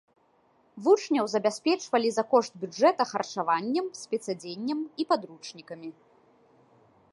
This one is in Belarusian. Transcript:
Вучняў забяспечвалі за кошт бюджэта харчаваннем, спецадзеннем і падручнікамі.